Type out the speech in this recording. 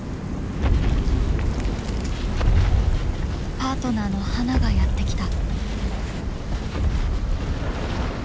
パートナーのハナがやって来た。